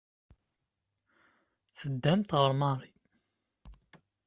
Teddamt ɣer Marie.